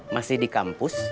masih di kampus